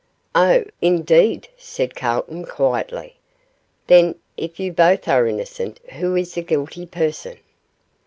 'Oh, indeed,' said Calton, quietly; 'then if you both are innocent, who is the guilty person?